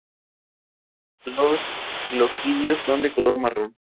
Un aparato sencillo en su construcción y con un reducido peso.